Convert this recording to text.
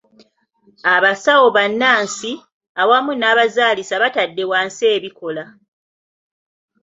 Abasawo ba nnansi awamu n'abazaalisa batadde wansi ebikola.